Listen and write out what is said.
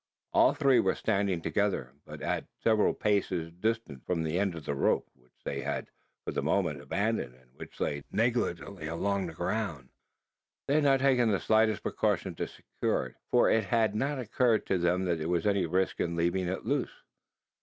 All three were standing together, but at several paces distant from the end of the rope; which they had for the moment abandoned, and which lay negligently along the ground. They had not taken the slightest precaution to secure it: for it had not occurred to them that there was any risk in leaving it loose.